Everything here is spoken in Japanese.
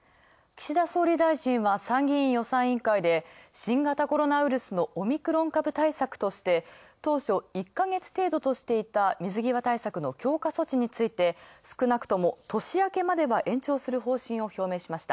岸田総理大臣は参議院予算委員会で新型コロナウイルスのオミクロン株対策として当初１ヶ月程度としていた水際対策の強化措置について、少なくとも年明けまでは延長する方針を表明しました。